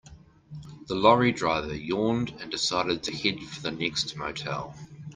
The lorry driver yawned and decided to head for the next motel.